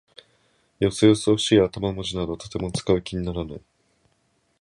よそよそしい頭文字などはとても使う気にならない。